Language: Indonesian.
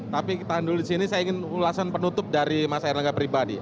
tapi kita tahan dulu disini saya ingin ulasan penutup dari masyarakat pribadi